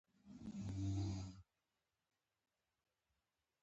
که څوک په ترازو کی تلې، نو سالم انتقاد پر وکړه بیا وګوره